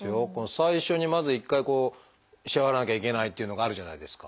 最初にまず一回支払わなきゃいけないっていうのがあるじゃないですか。